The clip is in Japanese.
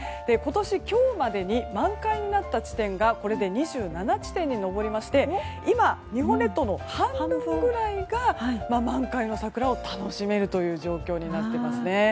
今年、今日までに満開になった地点がこれで２７地点に上りまして今、日本列島の半分ぐらいが満開の桜を楽しめるという状況になっていますね。